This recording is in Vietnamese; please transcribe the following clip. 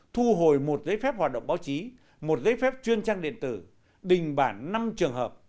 thu hồi một giấy phép hoạt động báo chí một giấy phép chuyên trang điện tử đình bản năm trường hợp